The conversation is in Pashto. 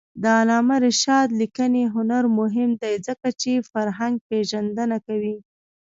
د علامه رشاد لیکنی هنر مهم دی ځکه چې فرهنګپېژندنه کوي.